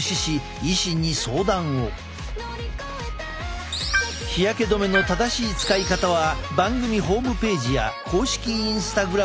ただし日焼け止めの正しい使い方は番組ホームページや公式インスタグラムでも公開中！